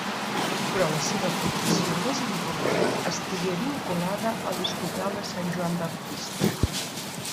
Però la seva aportació més important estigué vinculada a l'Hospital de Sant Joan Baptista.